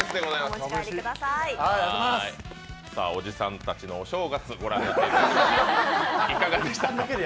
おじさんたちのお正月、ご覧になっていただきました。